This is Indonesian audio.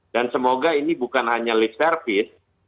dan semoga ini bukan hanya lip service